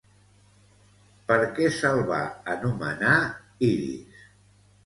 Per què se'l va anomenar Iris?